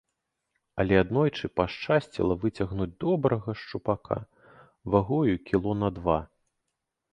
Але аднойчы пашчасціла выцягнуць добрага шчупака, вагою кіло на два.